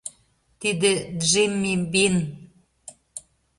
— Тиде — Джимми Бин.